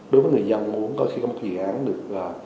đối với người dân muốn có khi có một dự án được